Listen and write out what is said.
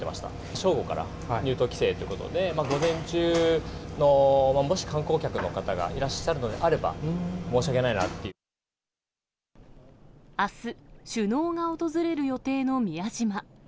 正午から入島規制ということで、午前中の、もし観光客の方がいらっしゃるのであれば、あす、首脳が訪れる予定の宮島。